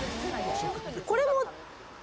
これも？